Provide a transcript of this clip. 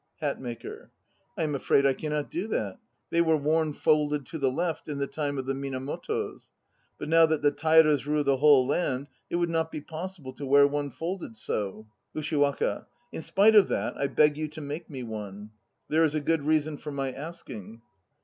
HATMAKER. I am afraid I cannot do that. They were worn folded to the left in the time of the Minamotos. But now that the Tairas rule the whole land it would not be possible to wear one folded so. USHIWAKA. In spite of that I beg of you to make me one. There is a good reason for my asking.